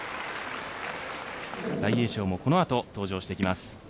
大栄翔もこの後、登場してきます。